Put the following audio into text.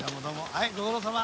はいご苦労さま。